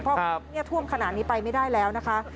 เพราะท่วมขนาดนี้ไปไม่ได้แล้วนะคะ